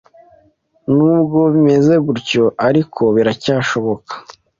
Nubwo bimeze gutyo ariko biracyashoboka